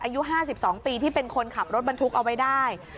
อายุ๕๒ปีที่เป็นคนขับรถบรรทุกเอาไว้ได้